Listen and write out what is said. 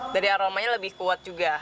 dari aromanya lebih kuat juga